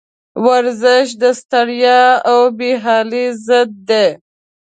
ورزش د ستړیا او بېحالي ضد دی.